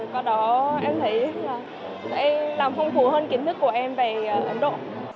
và đó em thấy là đã làm phong phú hơn kiến thức của em về ấn độ